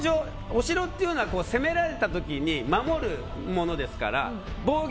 お城というのは攻められた時に守るものですから。